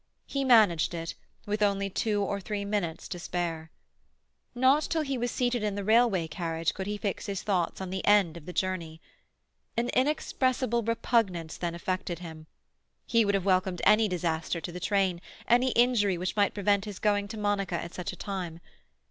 He managed it, with only two or three minutes to spare. Not till he was seated in the railway carriage could he fix his thoughts on the end of the journey. An inexpressible repugnance then affected him; he would have welcomed any disaster to the train, any injury which might prevent his going to Monica at such a time.